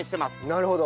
なるほど。